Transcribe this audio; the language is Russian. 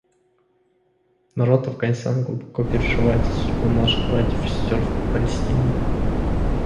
Народ Афганистана глубоко переживает за судьбу наших братьев и сестер в Палестине.